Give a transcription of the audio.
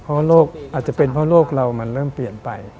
อาจจะเป็นเพราะโลกเรามันเริ่มเปลี่ยนไป